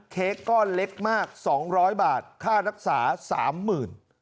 เค้กก้อนเล็กมากสองร้อยบาทค่ารักษาสามหมื่น